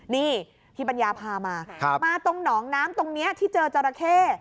นี่พี่ปัญญาพามามาตรงหนองน้ำตรงนี้ที่เจอจราเข้